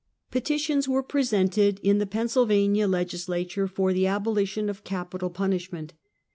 74 Half a Centuet. Petitions were presented in the Pennsylvania Leg islature for the abolition of capital punishment.